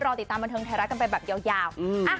ติดตามบันเทิงไทยรัฐกันไปแบบยาว